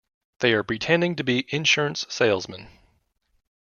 They are pretending to be insurance salesmen.